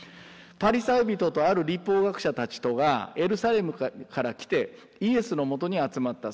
パリサイ人とある律法学者たちとがエルサレムから来てイエスのもとに集まった。